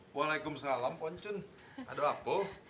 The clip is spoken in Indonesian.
waalaikumsalam poncun ada apa